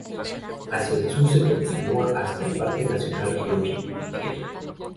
Hacia el Sur se continúa hasta el parque nacional Henri Pittier.